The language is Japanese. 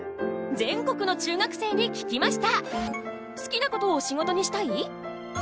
全国の中学生に聞きました！